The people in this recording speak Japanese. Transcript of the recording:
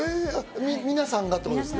皆さんがってことですね。